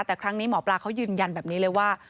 แต่ครั้งนี้หมอปลาเขายืนยันแบบนี้เลยว่า